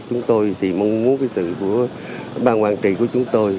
chúng tôi mong muốn sự của bang hoàng trị của chúng tôi